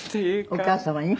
お母様に？